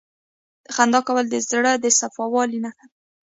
• خندا کول د زړه د صفا والي نښه ده.